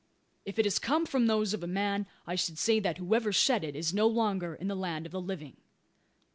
If it has come from those of a man, I should say that whoever shed it is no longer in the land of the living."